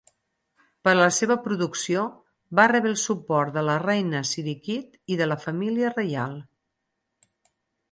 Per a la seva producció, va rebre el suport de la Reina Sirikit i de la família reial.